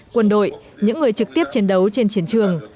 quân đội những người trực tiếp chiến đấu trên chiến trường